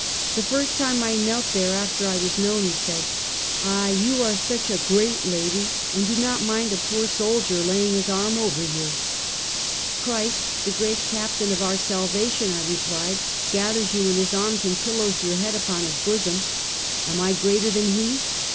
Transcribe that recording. The first time I knelt there after I was known, he said: " Ah, you are such a great lady, and do not mind a poor soldier laying his arm over you !" "Christ, the great Captain of our Salvation," I re plied, " gathers you in his arms and pillows your head u]Don his bosom. Am I greater than he?